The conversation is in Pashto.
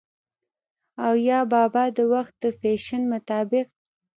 او يا بابا د وخت د فېشن مطابق